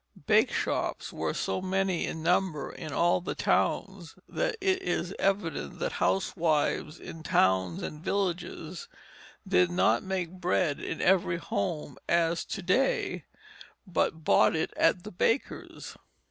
Bake shops were so many in number in all the towns that it is evident that housewives in towns and villages did not make bread in every home as to day, but bought it at the baker's.